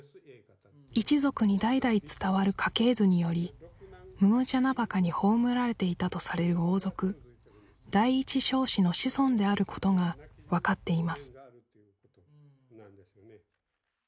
一族に代々伝わる家系図により百按司墓に葬られていたとされる王族第一尚氏の子孫であることが分かっています